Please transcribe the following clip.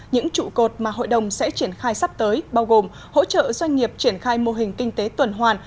những trụ cột mà hội đồng sẽ triển khai sắp tới bao gồm hỗ trợ doanh nghiệp triển khai mô hình kinh tế tuần hoàn